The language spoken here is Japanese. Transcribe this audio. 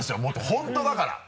本当だから！